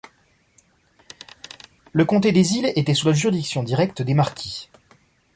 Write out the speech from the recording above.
Le comté des Îles était sous la juridiction directe des marquis.